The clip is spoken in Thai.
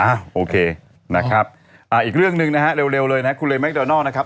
อ่ะโอเคนะครับอีกเรื่องหนึ่งนะฮะเร็วเลยนะครับคุณเรยแมคโดนอลนะครับ